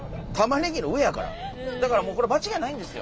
だからもうこれ間違いないんですよ。